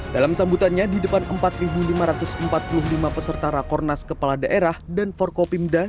dalam sambutannya di depan empat lima ratus empat puluh lima peserta rakornas kepala daerah dan forkopimda